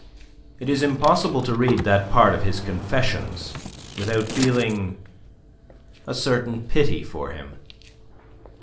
It is impossible to read that part of his "Confessions" without feeling a certain pity for him.